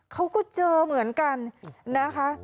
เขาก็เจอเหมือนกันนะคะ